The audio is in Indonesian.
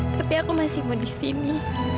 tapi aku masih mau disini